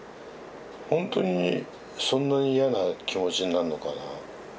ほんとにそんなに嫌な気持ちになるのかな。